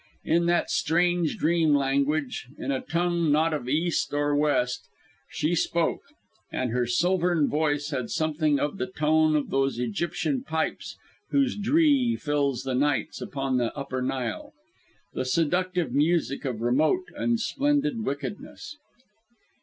In that strange dream language, in a tongue not of East nor West, she spoke; and her silvern voice had something of the tone of those Egyptian pipes whose dree fills the nights upon the Upper Nile the seductive music of remote and splendid wickedness.